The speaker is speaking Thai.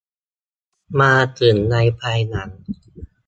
มาถึงในภายหลัง